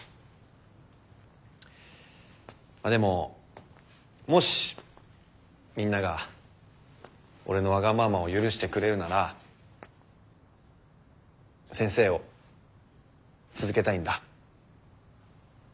まあでももしみんなが俺のわがままを許してくれるなら先生を続けたいんだ。